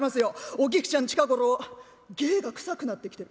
お菊ちゃん近頃芸がくさくなってきてる」。